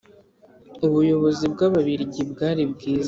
ubuyobozi bw Ababirigi bwari bwiza